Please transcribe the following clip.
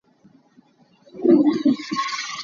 Rianṭuannak ah ka ṭuanhawi ka khawnsual.